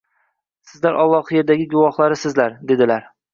Sizlar Allohning yerdagi guvohlarisizlar”, dedilar